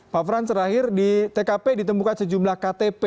pak frans terakhir di tkp ditemukan sejumlah ktp